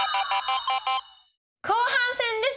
後半戦です！